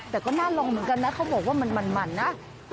แต่ก็น่าลองเหมือนกันนะเขาบอกว่ามันนะ